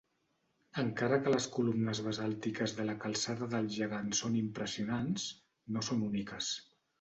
Encara que les columnes basàltiques de la Calçada del Gegant són impressionants, no són úniques.